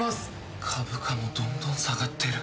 株価もどんどん下がってる。